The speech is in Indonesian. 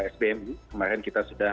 sbmi kemarin kita sudah